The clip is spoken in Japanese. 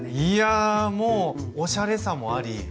いやもうおしゃれさもあり。